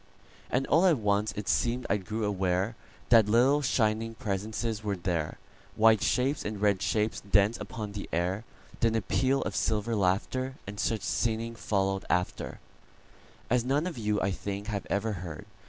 And all at once it seem'd I grew awareThat little, shining presences were there,—White shapes and red shapes danced upon the air; Then a peal of silver laughter, And such singing followed afterAs none of you, I think, have ever heard.